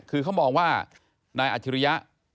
คือเขามองว่านายอัจฉริยะ